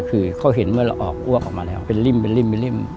คือเขาเห็นเมื่อเราออกอ้วกออกมาแล้วเป็นริ่ม